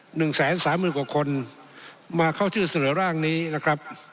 หนึ่งแสนสามหมื่นกว่าคนมาเข้าชื่อเสนอร่างนี้นะครับ